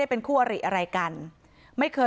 ด้วยเหตุผลอะไรก็แล้วแต่ก็ทำร้ายกันแบบนี้ไม่ได้